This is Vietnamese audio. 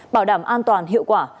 bảo đảm an toàn hiệu quả